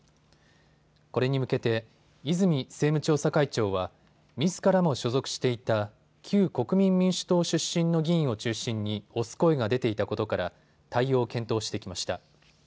これに向けて泉政務調査会長はみずからも所属していた旧国民民主党出身の議員を中心に推す声が出ていたことから対応を検討してきました。